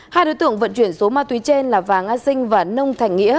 hai đối tượng vận chuyển số ma túy trên là vàng nga sinh và nông thành nghĩa